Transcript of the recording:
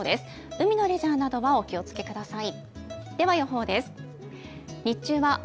海のレジャーなどはお気をつけください。